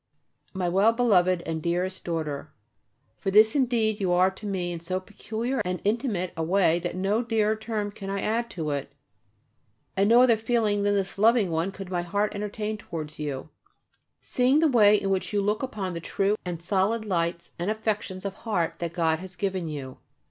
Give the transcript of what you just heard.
MY WELL BELOVED AND DEAREST DAUGHTER, For this indeed you are to me in so peculiar and intimate a way that no dearer term can I add to it, and no other feeling than this loving one could my heart entertain towards you, seeing the way in which you look upon the true and solid lights and affections of heart that God has given you.